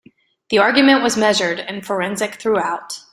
The argument was measured and forensic throughout.